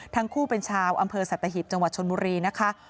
ทั้งคู่เป็นชาวอำเภอสัตหิบจังหวัดชนบุรีนะคะ